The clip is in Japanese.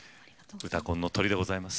「うたコン」のとりでございます。